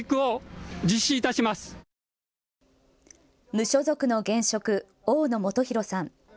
無所属の現職、大野元裕さん。